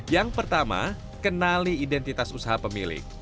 yang pertama kenali identitas usaha pemilik